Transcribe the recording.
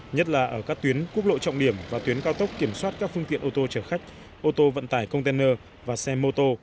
nhất là ở các tuyến quốc lộ trọng điểm và tuyến cao tốc kiểm soát các phương tiện ô tô chở khách ô tô vận tải container và xe mô tô